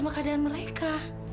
sama keadaan mereka